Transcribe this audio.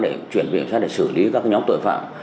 để chuyển viện ra để xử lý các nhóm tội phạm